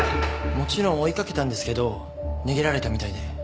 もちろん追いかけたんですけど逃げられたみたいで。